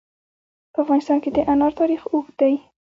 په افغانستان کې د انار تاریخ اوږد دی.